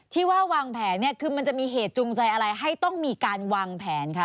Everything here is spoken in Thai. ที่ว่าวางแผนเนี่ยคือมันจะมีเหตุจูงใจอะไรให้ต้องมีการวางแผนคะ